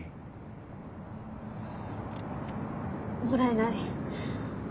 もらえない。